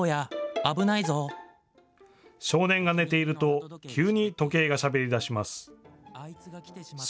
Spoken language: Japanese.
少年が寝ていると急に時計がしゃべりだします。